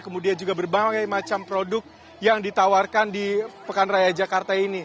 kemudian juga berbagai macam produk yang ditawarkan di pekan raya jakarta ini